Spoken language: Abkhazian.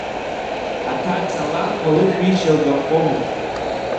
Аҭаца ланхәа лышәишьа лгәаԥхомызт.